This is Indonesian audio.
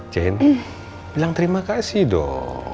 jenny bilang terima kasih dong